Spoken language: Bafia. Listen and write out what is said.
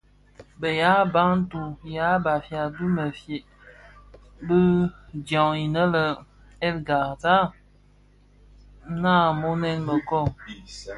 Bë yaa Bantu (ya Bafia) bi mëfye më dyaň innë le bahr El Ghazal nnamonèn mëkoo.